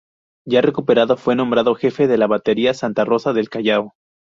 Ya recuperado, fue nombrado jefe de la Batería Santa Rosa del Callao.